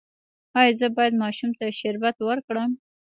ایا زه باید ماشوم ته شربت ورکړم؟